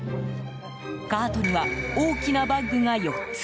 カートには大きなバッグが４つ。